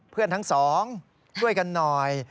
เพื่อนทั้งสองด้วยกันหน่อย